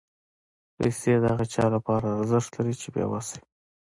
پېسې د هغه چا لپاره ارزښت لري چې بېوسه وي.